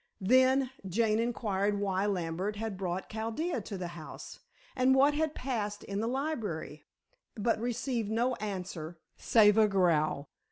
Then Jane inquired why Lambert had brought Chaldea to the house, and what had passed in the library, but received no answer, save a growl.